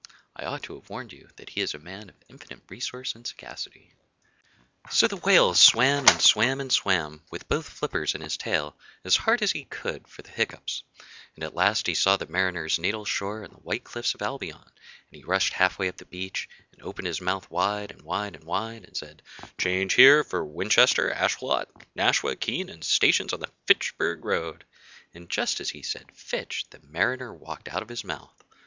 'I ought to have warned you that he is a man of infinite resource and sagacity.' So the Whale swam and swam and swam, with both flippers and his tail, as hard as he could for the hiccoughs; and at last he saw the Mariner's natal shore and the white cliffs of Albion, and he rushed half way up the beach, and opened his mouth wide and wide and wide, and said, 'Change here for Winchester, Ashuelot, Nashua, Keene, and stations on the _Fitch_burg Road;' and just as he said 'Fitch' the Mariner walked out of his mouth.